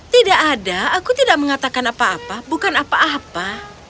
tidak ada aku tidak mengatakan apa apa bukan apa apa